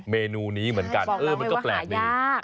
เมนูนี้เหมือนกันเออมันก็แปลกดี